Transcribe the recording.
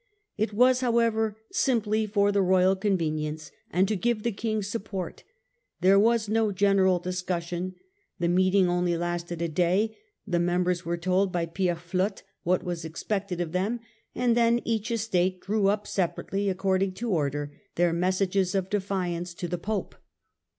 It was there, however, simply for the royal convenience and to give the King support : there was no general dis cussion, the meeting only lasted a day, the members were told by Pierre Flotte what was expected of them, and then each estate drew up separately, according to order, their messages of defiance to the Pope.